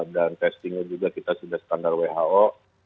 dan testingnya juga kita sudah standar who